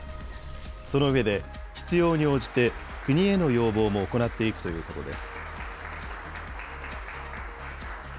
その上で、必要に応じて国への要望も行っていくということです。